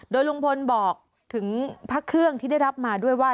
โดยลุงพลบอกถึงพระเครื่องที่ได้รับมาด้วยว่า